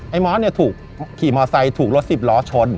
มอสเนี่ยถูกขี่มอไซค์ถูกรถสิบล้อชน